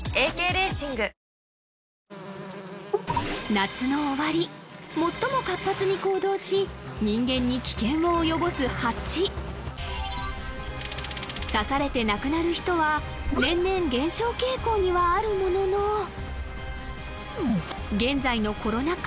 夏の終わり最も活発に行動し人間に危険を及ぼすハチ刺されて亡くなる人は年々減少傾向にはあるものの現在のコロナ禍